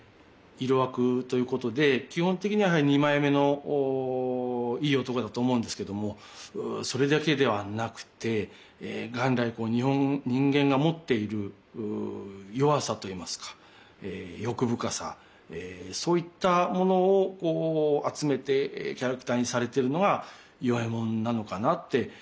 色悪ということで基本的にはやはり二枚目のいい男だと思うんですけどもそれだけではなくて元来人間が持っている弱さといいますか欲深さそういったものをこう集めてキャラクターにされてるのが与右衛門なのかなって思います。